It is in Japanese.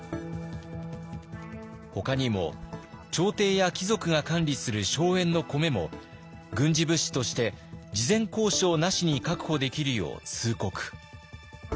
ほかにも朝廷や貴族が管理する荘園の米も軍事物資として事前交渉なしに確保できるよう通告。